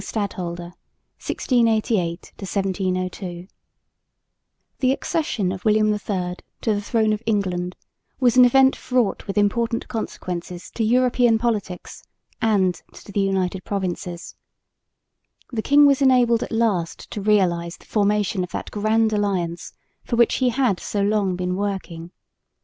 CHAPTER XIX THE KING STADHOLDER, 1688 1702 The accession of William III to the throne of England was an event fraught with important consequences to European politics and to the United Provinces. The king was enabled at last to realise the formation of that Grand Alliance for which he had so long been working.